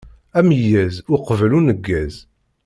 Ameyyez uqbel uneggez.